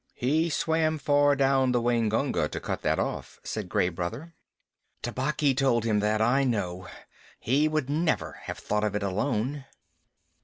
"He swam far down the Waingunga to cut that off," said Gray Brother. "Tabaqui told him that, I know. He would never have thought of it alone."